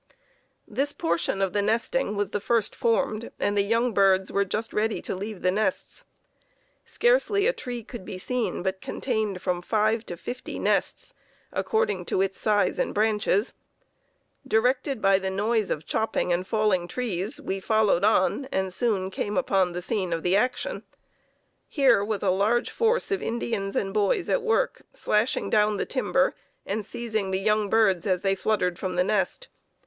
This portion of the nesting was the first formed, and the young birds were just ready to leave the nests. Scarcely a tree could be seen but contained from five to fifty nests, according to its size and branches. Directed by the noise of chopping and falling trees, we followed on, and soon came upon the scene of action. Here was a large force of Indians and boys at work, slashing down the timber and seizing the young birds as they fluttered from the nest.